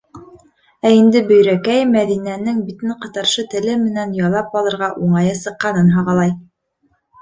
Ә инде Бөйрәкәй Мәҙинәнең битен ҡытыршы теле менән ялап алырға уңайы сыҡҡанын һағалай.